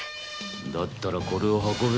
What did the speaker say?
だったらこれを運べ！